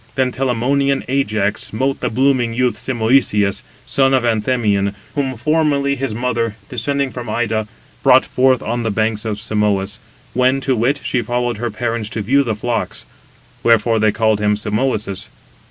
Then Telamonian Ajax smote the blooming youth Simoïsius, son of Anthemion, whom formerly his mother, descending from Ida, brought forth on the banks of Simois, when, to wit, she followed her parents to view the flocks; wherefore they called him Simoïsius.